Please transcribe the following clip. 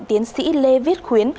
tiến sĩ lê viết khuyến